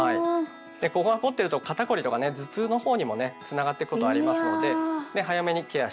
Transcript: ここが凝ってると肩凝りとかね頭痛の方にもねつながっていくことありますので早めにケアしていきたいですよね。